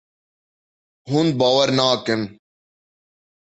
Hûn bawer nakin.